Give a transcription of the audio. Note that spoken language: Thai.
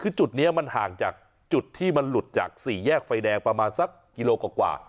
คือจุดนี้มันห่างจากจุดที่มันหลุดจากสี่แยกไฟแดงประมาณสักกิโลกว่า